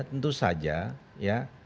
tentu saja ya